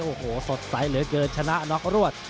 โอ้โหสดใสเหลือเกินชนะน็อกรวด